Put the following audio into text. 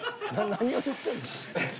［何を言ってんの？］